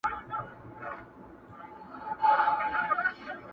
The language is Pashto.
• یو نغمه ګره نقاسي کوومه ښه کوومه,